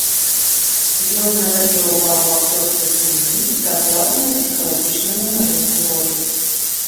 Ён надае ўвагу акцёрскай гульні, дакладнаму псіхалагічнаму малюнку ролі.